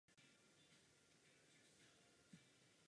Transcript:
Speciální přilba je také součástí výstroje pilotů bojových letounů.